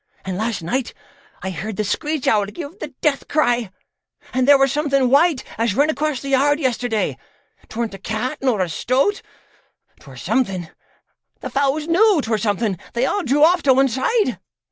An' last night I heard the screech owl give the death cry, and there were something white as run across the yard yesterday; 'tweren't a cat nor a stoat, 'twere something. The fowls knew 'twere something; they all drew off to one side.